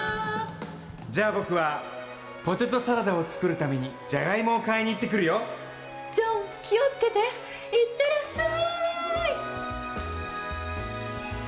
じゃあ僕は、ポテトサラダを作るために、ジャガイモを買いにジョン、気をつけて、いってらっしゃーい。